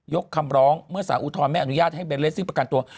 คำร้องเมื่อสารอุทธรณไม่อนุญาตให้เบนเลสซิ่งประกันตัว